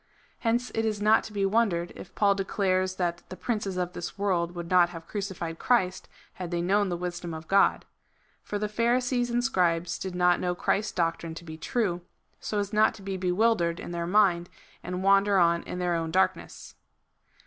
^ Hence it is not to be wondered, if Paul declares that the princes of this world would not have crucified Christ, had they known the wisdom of God. For the Pharisees and Scribes did not know Christ's doctrine to be true, so as not to be bewildered in their mind, and wan der on in their own darkness.